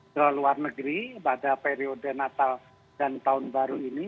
keluar negeri pada periode natal dan tahun baru ini